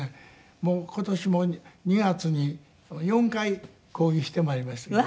もう今年も２月に４回講義してまいりましたけどね。